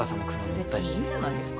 別にいいんじゃないですか。